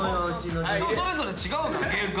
人それぞれ違うから限界。